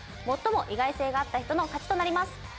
最も意外性があった人の勝ちとなります。